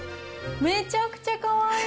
めちゃくちゃかわいい。